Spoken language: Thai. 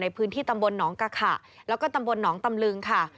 ในพื้นที่ตำบลหนองกะขะแล้วก็ตำบลหนองตำลึงค่ะ